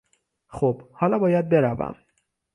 خب، حالا باید بروم.